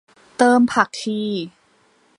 เติมผักชี